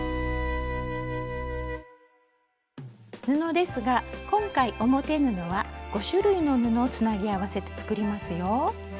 布ですが今回表布は５種類の布をつなぎ合わせて作りますよ。